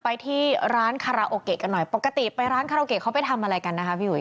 ไปที่ร้านคาราโอเกะกันหน่อยปกติไปร้านคาราโอเกะเขาไปทำอะไรกันนะคะพี่อุ๋